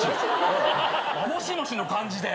「もしもし」の感じで。